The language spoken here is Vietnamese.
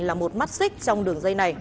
là một mắt xích trong đường dây này